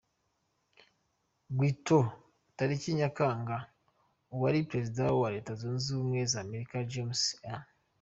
Guiteau tariki Nyakanga, uwari perezida wa Leta zunze ubumwe za Amerika James A.